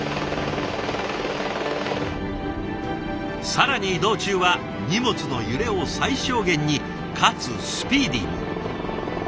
更に移動中は荷物の揺れを最小限にかつスピーディーに。